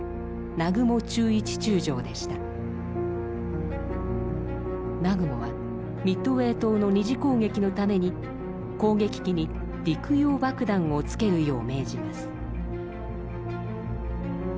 南雲はミッドウェー島の二次攻撃のために攻撃機に陸用爆弾をつけるよう命じます。